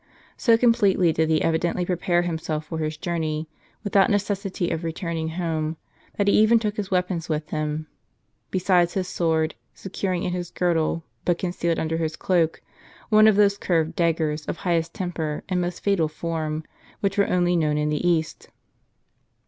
So completely did he evidently prepare himself for his journey, without necessity of returning home, that he even took his weapons with him ; besides his sword, securing in his girdle, but concealed under his cloak, one of those curved daggers, of highest temper and most fatal form, which were only known in the East.